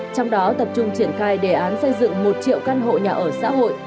trong đó tập trung triển khai đề án xây dựng một triệu căn hộ nhà ở xã hội